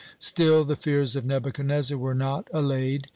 (24) Still the fears of Nebuchadnezzar were not allayed.